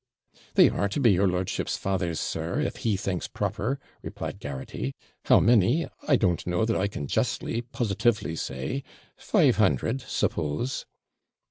'They are to be your lordship's father's, sir, if he thinks proper,' replied Garraghty. 'How many, I don't know that I can justly, positively say five hundred, suppose.'